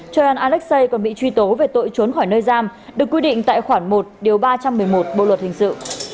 trion alexei còn bị truy tố về tội trốn khỏi nơi giam được quy định tại khoảng một ba trăm một mươi một bộ luật hình dự